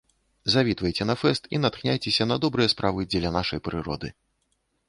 Завітвайце на фэст і натхняйцеся на добрыя справы дзеля нашай прыроды!